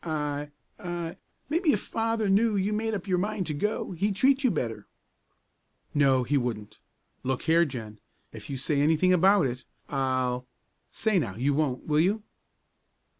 "I I maybe if Father knew you'd made up your mind to go, he'd treat you better." "No, he wouldn't. Look here, Jen! if you say anything about it I'll say now, you won't, will you?"